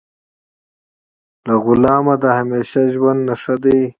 له غلام د همیشه ژوند نه ښه دی.